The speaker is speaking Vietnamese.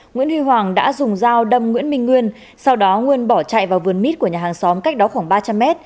nguyễn huy hoàng đã dùng dao đâm nguyễn minh nguyên sau đó nguyên bỏ chạy vào vườn mít của nhà hàng xóm cách đó khoảng ba trăm linh m